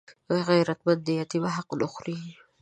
غیرتمند د یتیم حق نه خوړوي